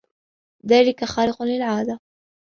ذلك خارق للعادة.